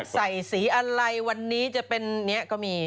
ใส่สีอะไรวันนี้จะเป็นนี้ก็มี